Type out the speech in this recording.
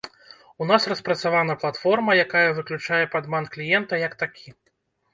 У нас распрацавана платформа, якая выключае падман кліента як такі.